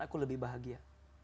aku lebih bahagia